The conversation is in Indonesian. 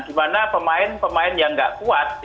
dimana pemain pemain yang tidak kuat